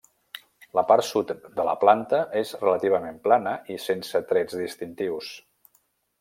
La part sud de la planta és relativament plana i sense trets distintius.